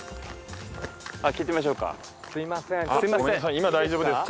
今大丈夫ですか？